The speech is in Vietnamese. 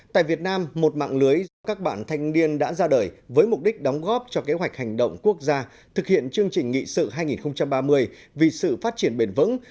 tại việt nam một mạng lưới do các bạn thanh niên đã ra đời với mục đích đóng góp cho kế hoạch hành động quốc gia thực hiện chương trình nghị sự hai nghìn ba mươi vì sự phát triển bền vững